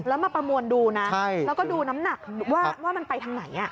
แล้วมาประมวลดูนะแล้วก็ดูน้ำหนักว่ามันไปทางไหน